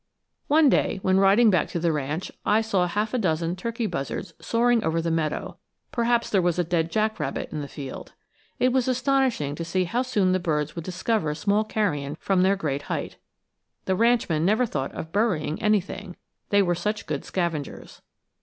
One day, when riding back to the ranch, I saw half a dozen turkey buzzards soaring over the meadow perhaps there was a dead jack rabbit in the field. It was astonishing to see how soon the birds would discover small carrion from their great height. The ranchman never thought of burying anything, they were such good scavengers.